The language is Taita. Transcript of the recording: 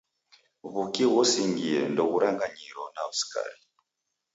W'uki ghusingie ndoghuranganyiro na skari.